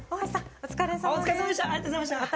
お疲れさまでした。